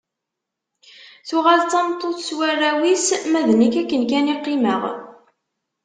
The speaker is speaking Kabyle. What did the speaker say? Tuɣal d tameṭṭut s warraw-is, ma d nekk akken kan i qqimeɣ.